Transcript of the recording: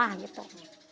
rugi dong itu